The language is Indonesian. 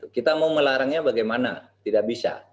kita mau melarangnya bagaimana tidak bisa